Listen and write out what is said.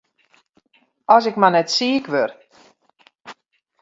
As ik mar net siik wurd!